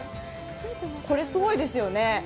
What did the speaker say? これ、すごいですよね。